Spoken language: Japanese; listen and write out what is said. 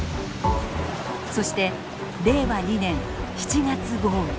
そして令和２年７月豪雨。